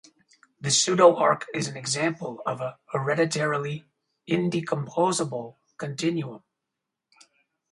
The pseudo-arc is an example of a hereditarily indecomposable continuum.